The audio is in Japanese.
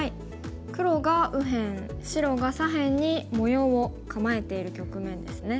黒が右辺白が左辺に模様を構えている局面ですね。